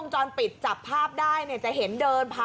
เฮ้ยมันเจ็ดคน